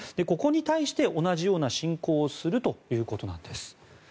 ここに対して、同じような侵攻をするということなんです。